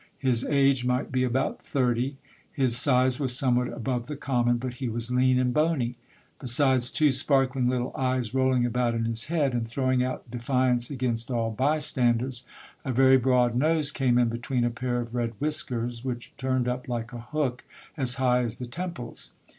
His age might be about thirty. His size was somewhat above the common, but he was lean and bony. Besides two sparkling little eyes rolling about in his head, LEA VES DR SANGRADO. 57 and throwing out defiance against all bystanders, a very broad nose came in between a pair of red whiskers, which turned up like a hook as high as the temples.